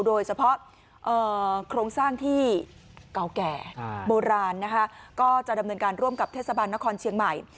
โดยเฉพาะโครงสร้างที่เก่าแก่โบราณนะคะก็จะดำเนินการร่วมกับเทศบาลนครเชียงใหม่